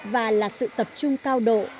và là sự tập trung cao độ